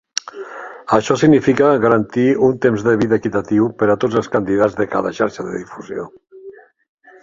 Això significa garantir un temps de vida equitatiu per a tots els candidats de cada xarxa de difusió.